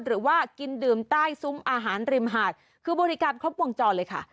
หรือว่ากินดื่มใต้ซุ้มอาหารริมหาดคือบริการครบวงจรเลยค่ะ